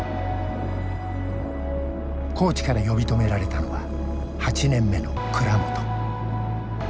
コーチから呼び止められたのは８年目の倉本。